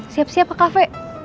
siap siap ke cafe